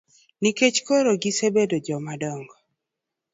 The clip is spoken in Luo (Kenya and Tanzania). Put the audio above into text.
Nikech koro gisebedo joma dongo.